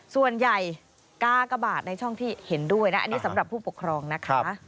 ส่วนใหญ่กากบาทในช่องที่เห็นด้วยนะอันนี้สำหรับผู้ปกครองนะคะ